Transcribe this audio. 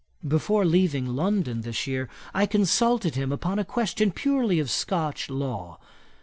Before leaving London this year, I consulted him upon a question purely of Scotch law.